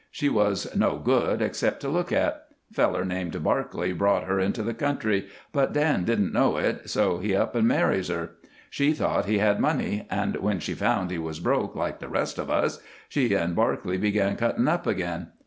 She was no good, except to look at. Feller named Barclay brought her into the country, but Dan didn't know it, so he up and marries her. She thought he had money, and when she found he was broke like the rest of us she and Barclay began cuttin' up again.